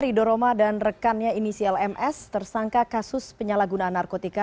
rido roma dan rekannya inisial ms tersangka kasus penyalahgunaan narkotika